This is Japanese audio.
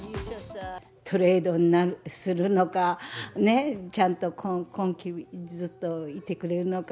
トレードするのかね、ちゃんと今季ずっといてくれるのか。